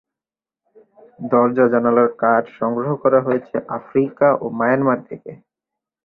দরজা-জানালার কাঠ সংগ্রহ করা হয়েছে আফ্রিকা ও মায়ানমার থেকে।